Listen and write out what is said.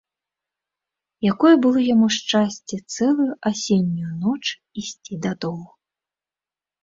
Якое было яму шчасце цэлую асеннюю ноч ісці дадому.